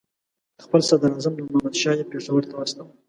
خپل صدراعظم نور محمد شاه یې پېښور ته واستاوه.